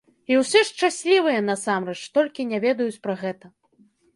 І ўсе шчаслівыя насамрэч, толькі не ведаюць пра гэта.